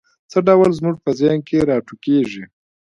څه ډول زموږ په ذهن کې را ټوکېږي؟